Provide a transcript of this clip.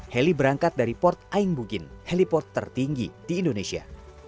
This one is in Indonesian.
heli berangkat dari port aingbugin heliport tertinggi di indonesia